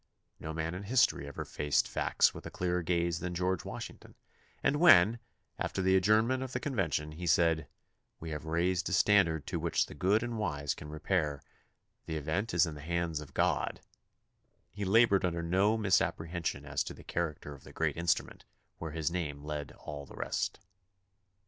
No man in history ever faced facts with a clearer gaze than George Washington, and when, after the adjournment of the convention, he said, "We have raised a standard to which the good and wise can re pair; the event is in the hands of God," he labored under no misapprehension as to the character of the great instrument where his name led all the rest.